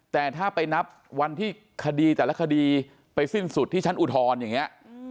แต่ถ้าไปนับวันที่คดีแต่ละคดีไปสิ้นสุดที่ชั้นอุทธรณ์อย่างนี้